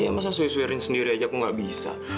iya masa suwir suwirin sendiri aja aku nggak bisa